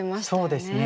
そうですね。